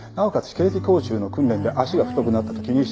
刑事講習の訓練で足が太くなったと気にしてる。